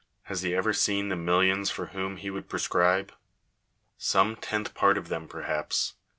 Has he ever seen the millions for whom he would prescribe ? Some tenth part of them perhaps.